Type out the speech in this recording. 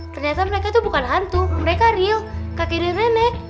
ternyata mereka tuh bukan hantu mereka real kakek dan nenek